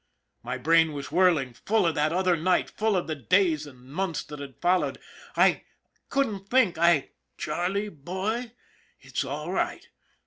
My brain was whirling, full of that other night, full of the days and months that had followed. I couldn't think. I " Charlie boy, it's all right.